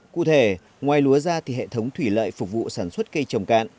cụ thể ngoài lúa ra thì hệ thống thủy lợi phục vụ sản xuất cây trồng cạn